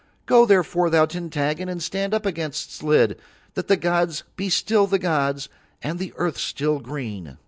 Go therefore, thou, Tintaggon, and stand up against Slid, that the gods be still the gods and the earth still green."